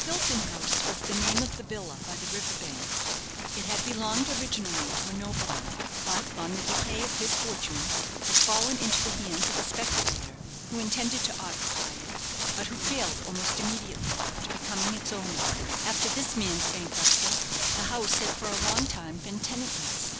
Hilton House was the name of the villa by the river bank. It had belonged originally to a nobleman; but, on the decay of his fortunes, had fallen into the hands of a speculator, who intended to occupy it, but who failed almost immediately after becoming its owner. After this man's bankruptcy, the house had for a long time been tenantless.